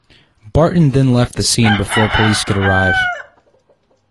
Barton then left the scene before police could arrive.